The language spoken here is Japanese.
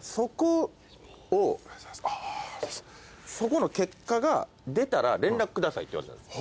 そこの結果が出たら連絡下さいって言われたんです。